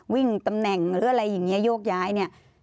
วิ่งตำแหน่งหรืออะไรอย่างนี้โยกย้ายเนี่ย